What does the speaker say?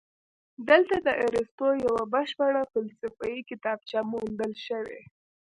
دلته د ارسطو یوه بشپړه فلسفي کتابچه موندل شوې